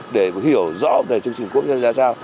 để hiểu rõ về chương trình ocob ra sao